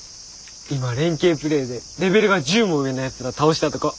今連携プレーでレベルが１０も上のやつら倒したとこ。